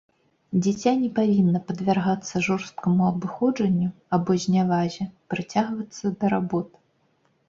Дзіця не павінна падвяргацца жорсткаму абыходжанню або знявазе, прыцягвацца да работ.